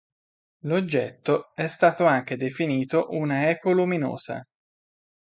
L'oggetto è stato anche definito una "eco luminosa".